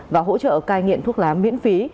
và hỗ trợ cai nghiện thuốc lá miễn phí